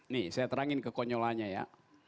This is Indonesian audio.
nih saya terangin kekonyolannya ya